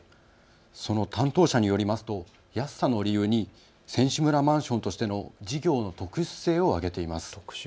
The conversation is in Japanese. その担当者によりますと安さの理由に選手村マンションとしての事業の特殊性を挙げています。